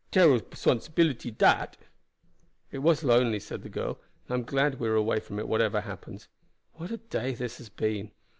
Terrible sponsibility dat." "It was lonely," the girl said, "and I am glad we are away from it whatever happens. What a day this has been.